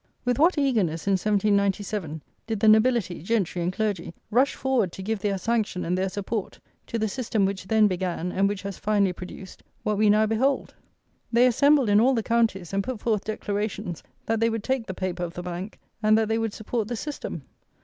With what eagerness, in 1797, did the nobility, gentry, and clergy rush forward to give their sanction and their support to the system which then began, and which has finally produced, what we now behold! They assembled in all the counties, and put forth declarations that they would take the paper of the Bank, and that they would support the system.